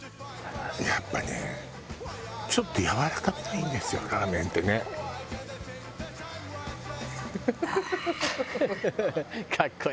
「やっぱねちょっとやわらかめがいいんですよラーメンってね」ああ！